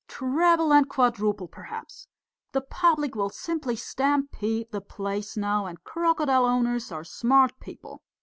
"Treble and quadruple perhaps! The public will simply stampede the place now, and crocodile owners are smart people.